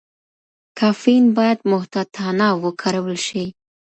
کافین باید محتاطانه وکارول شي.